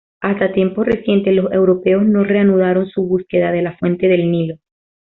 Hasta tiempos recientes los europeos no reanudaron su búsqueda de la fuente del Nilo.